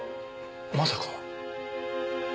まさか。